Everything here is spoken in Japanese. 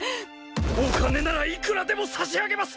お金ならいくらでも差し上げます！